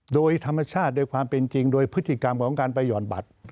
โดยธรรมชาติโดยความเป็นจริงโดยพฤติกรรมของการไปห่อนบัตร